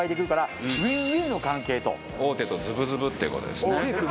大手とズブズブって事ですね。